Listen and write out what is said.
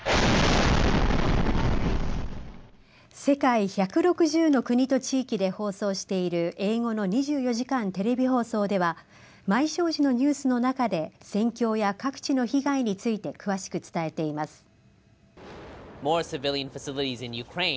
世界１６０の国と地域で放送している英語の２４時間テレビ放送では毎正時のニュースの中で戦況や各地の被害について詳しく伝えています。